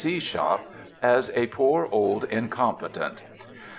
B. C. shop, as a poor old incompetent.